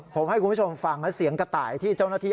ผมให้คุณผู้ชมฟังนะเสียงกระต่ายที่เจ้าหน้าที่